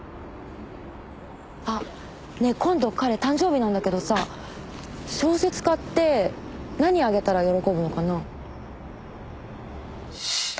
あっねえ今度彼誕生日なんだけどさ小説家って何あげたら喜ぶのかな？